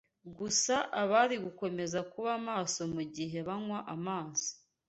gusa abari gukomeza kuba maso mu gihe banywa amazi.